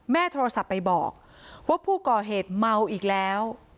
โทรศัพท์ไปบอกว่าผู้ก่อเหตุเมาอีกแล้ว